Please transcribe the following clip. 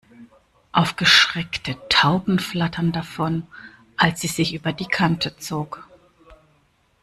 Aufgeschreckte Tauben flatterten davon, als sie sich über die Kante zog.